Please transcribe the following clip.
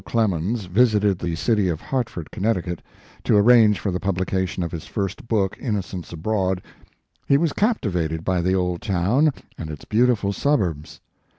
Clemens visited the city of Hartford, Connecticut, to arrange for the publication of his first book, <l Innocents Abroad," he was capti vated by the old town and its beautiful suburbs.